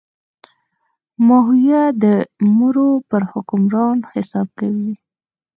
ماهویه د مرو پر حکمران حساب کوي.